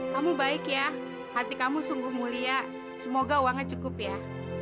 kamu baik ya hati kamu sungguh mulia semoga uangnya cukup ya